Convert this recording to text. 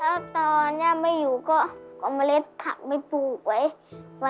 แล้วตอนย่าไม่อยู่ก็เอาเมล็ดผักไม่ปลูกไว้